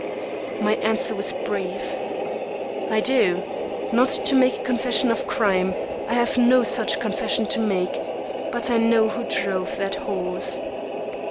My answer was brief: "I do. Not to make a confession of crime. I have no such confession to make. But I know who drove that horse.